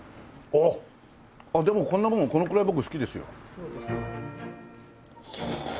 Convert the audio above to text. あっでもこんなもんこのくらい僕好きですよ。